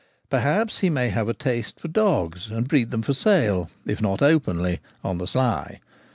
Perhaps he may have a taste for dogs, and breed them for sale, if not openly, on the sly.